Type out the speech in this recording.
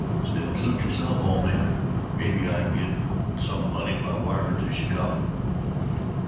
Still, suit yourself, old man. Maybe I can get some money by wiring to Chicago."